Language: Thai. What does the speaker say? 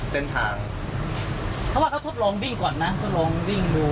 เต้นทางเขาว่าเขาทดลองวิ่งก่อนนะก็ลองวิ่งมูด